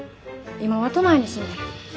今は都内に住んでる。